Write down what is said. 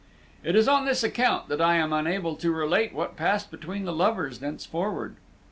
It is on this account that I am unable to relate what passed between the lovers thenceforward.